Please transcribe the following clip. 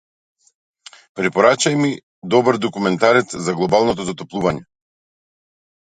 Препорачај ми добар документарец за глобалното затоплување.